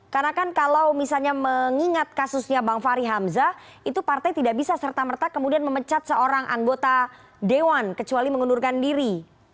karena kan kalau misalnya mengingat kasusnya bank fahri hamzah itu partai tidak bisa serta merta kemudian memecat seorang anggota dewan kecuali mengundurkan diri